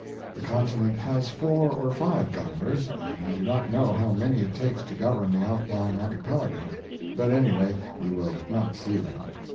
The continent has four or five governors, and I do not know how many it takes to govern the outlying archipelago; but anyway you will not see them.